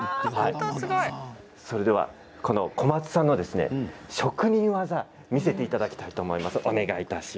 それでは小松さんの職人技見せていただきたいと思います。